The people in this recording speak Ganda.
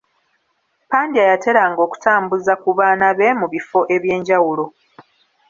Pandya yateranga okutambuza ku baana be mu bifo eby'enjawulo.